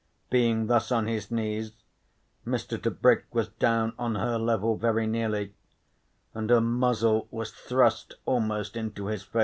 Being thus on his knees, Mr. Tebrick was down on her level very nearly, and her muzzle was thrust almost into his face.